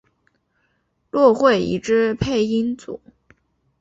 骆慧怡之配音组。